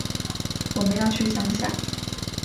我们要去乡下